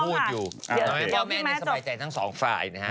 หมูแม่นสมัยใจทั้งสองฝ่าย